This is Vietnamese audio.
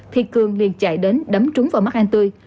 thì cường liền chạy đến đấm trúng vào mắt anh tươi